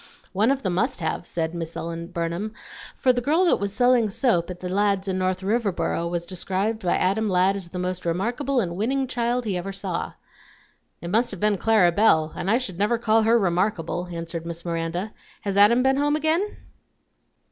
"One of them must have," said Miss Ellen Burnham, "for the girl that was selling soap at the Ladds' in North Riverboro was described by Adam Ladd as the most remarkable and winning child he ever saw." "It must have been Clara Belle, and I should never call her remarkable," answered Miss Miranda. "Has Adam been home again?"